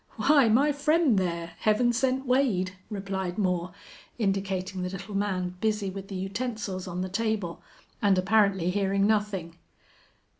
"Why, my friend there, Heaven Sent Wade," replied Moore, indicating the little man busy with the utensils on the table, and apparently hearing nothing.